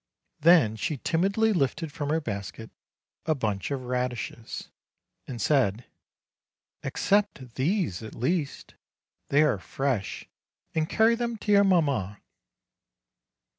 Then she timidly lifted from her basket a bunch of radishes, and said: "A'ccept these at least, they are fresh, and carry them to your mamma."